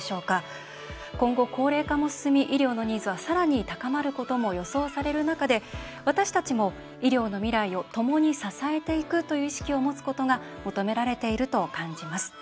今後、高齢化も進み医療のニーズは、さらに高まることも予想される中で私たちも医療の未来をともに支えていくという意識を持つことが求められていると感じます。